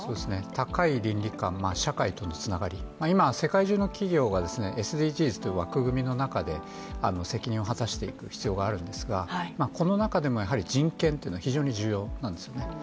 高い倫理観、社会とのつながり、今は世界中の企業がＳＤＧｓという枠組みの中で責任を果たしていく必要があるんですがこの中でもやはり、人権というのは非常に重要なんですよね。